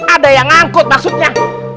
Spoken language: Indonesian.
ada yang ngangkut maksudnya